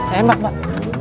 eh mbak mbak